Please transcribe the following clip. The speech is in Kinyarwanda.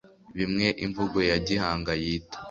bimwe imvugo ya gihanga yita